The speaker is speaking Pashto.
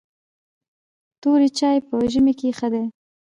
توري چای په ژمي کې ښه دي .